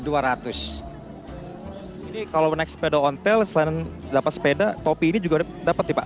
jadi kalau naik sepeda ontel selain dapat sepeda topi ini juga dapat nih pak